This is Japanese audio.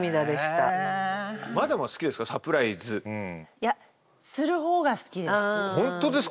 いやするほうが好きです。